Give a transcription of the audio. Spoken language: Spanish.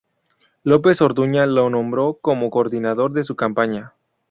López Orduña lo nombró como coordinador de su campaña.